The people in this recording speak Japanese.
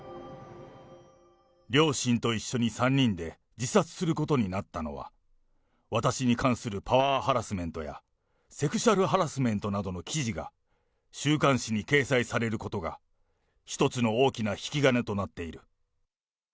両親と一緒に３人で自殺することになったのは、私に関するパワーハラスメントやセクシュアルハラスメントなどの記事が週刊誌に掲載されることが一つの大きな引き金となっている。